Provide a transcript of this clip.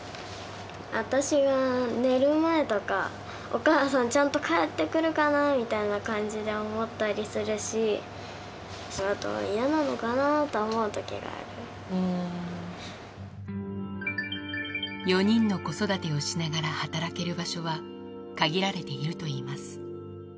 私は寝る前とか、お母さん、ちゃんと帰ってくるかなみたいな感じで思ったりするし、４人の子育てをしながら働ける場所は、限られているといいます。